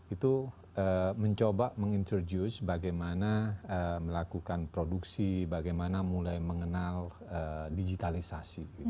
itu mencoba menginterduce bagaimana melakukan produksi bagaimana mulai mengenal digitalisasi